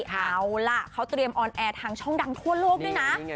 เอาล่ะเขาเตรียมออนแอร์ทางช่องดังทั่วโลกด้วยนะ